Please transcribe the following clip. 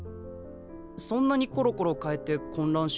そんなにコロコロ変えて混乱しない？